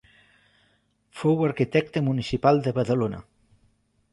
Fou arquitecte municipal de Badalona.